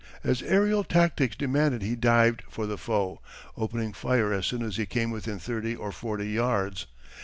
As aërial tactics demanded he dived for the foe, opening fire as soon as he came within thirty or forty yards.